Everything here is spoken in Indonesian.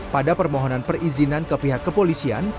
pada permohonan perizinan ke pihak kepolisian